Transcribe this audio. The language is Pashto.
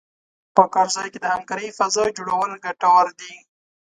په کار ځای کې د همکارۍ فضا جوړول ګټور دي.